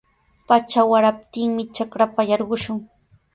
Pacha waraptinmi trakrapa yarqushun.